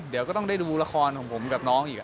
เดี๋ยวก็ต้องได้ดูละครของผมกับน้องอีก